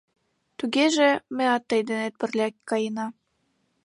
— Тугеже меат тый денет пырля каена.